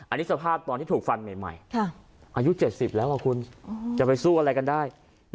อันนี้สภาพตอนที่ถูกฟันใหม่อายุ๗๐แล้วคุณจะไปสู้อะไรกันได้